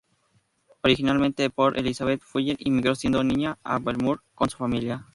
Originalmente de Port Elizabeth, Fuller inmigró siendo niña a Melbourne con su familia.